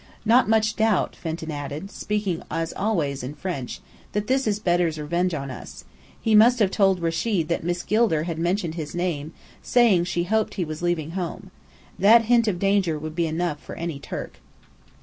"Not much doubt," Fenton added, speaking as always in French, "that this is Bedr's revenge on us. He must have told Rechid that Miss Gilder had mentioned his name saying she hoped he was leaving home. That hint of danger would be enough for any Turk."